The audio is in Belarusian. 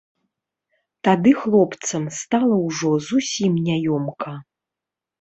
Тады хлопцам стала ўжо зусім няёмка.